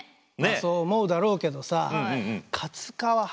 そう思うだろうけどさえ！